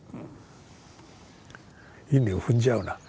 稲を踏んじゃうな。